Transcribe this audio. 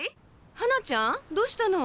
花ちゃんどうしたの？